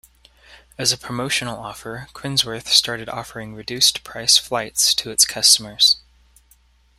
As a promotional offer, Quinnsworth started offering reduced-price flights to its customers.